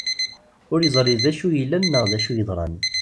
Ur yeẓri d acu yellan neɣ d acu yeḍran.